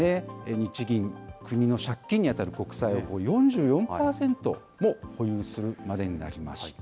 日銀、国の借金に当たる国債を４４％も保有するまでになりました。